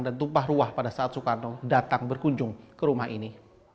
dan tumpah ruah pada saat sukarno datang berkunjung ke rumah ini